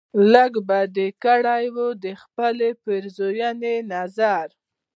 لږ به دې کړی و دخپلې پیرزوینې نظر